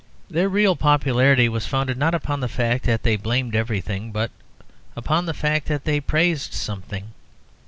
Their real popularity was founded not upon the fact that they blamed everything, but upon the fact that they praised something.